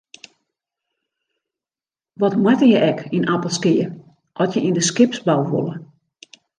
Wat moatte je ek yn Appelskea at je yn de skipsbou wolle?